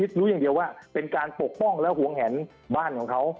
รู้อย่างเดียวว่าเป็นการปกป้องและหวงแหนบ้านของเขา